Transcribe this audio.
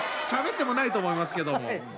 しゃべってもないと思いますけども。